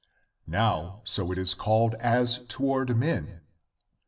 ^^ Now, so it is called as toward men.